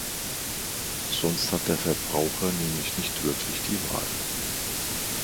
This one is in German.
Sonst hat der Verbraucher nämlich nicht wirklich die Wahl.